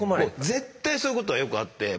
絶対そういうことはよくあって。